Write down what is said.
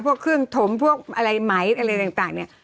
พวกเครื่องถมพวกอะไรไหมอะไรต่างเนี่ย